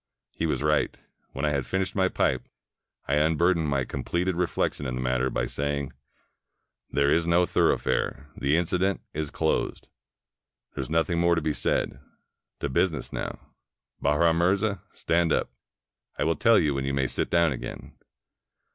He was right. When I had finished my pipe, I un burdened my completed reflection in the matter by saying — "There is no thoroughfare; the incident is closed. There is nothing more to be said. To business now. ... Bahram Mirza, stand up. I will teU you when you may sit down again."